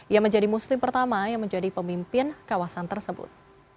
ia menjadi muslim pertama yang menjadi pemimpin kawasan tersebut